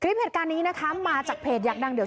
เหตุการณ์นี้นะคะมาจากเพจอยากดังเดี๋ยว